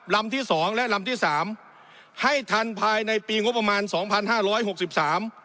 ลำที่สองและลำที่สามให้ทันภายในปีงบประมาณสองพันห้าร้อยหกสิบสาม